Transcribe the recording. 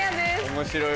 面白い。